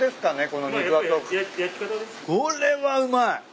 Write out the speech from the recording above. これはうまい。